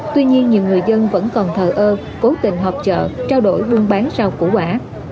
tuy nhiên nhiều người dân vẫn còn thờ ơ cố tình họp chợ trao đổi buôn bán rau củ quả